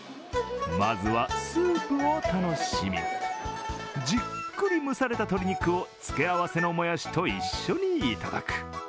まずはスープを楽しみじっくり蒸された鶏肉を付け合わせのモヤシと一緒にいただく。